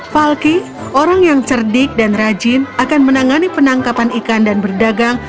falky orang yang cerdik dan rajin akan menangani penangkapan ikan dan berdagang